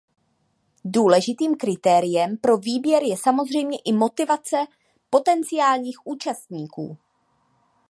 Důležitým kritériem pro výběr je samozřejmě i motivace potenciálních účastníků.